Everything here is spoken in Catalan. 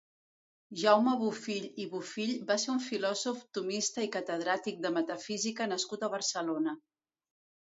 Jaume Bofill i Bofill va ser un filòsof tomista i catedràtic de metafísica nascut a Barcelona.